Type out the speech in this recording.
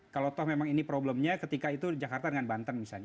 kalau memang ini problemnya ketika itu jakarta dengan banten misalnya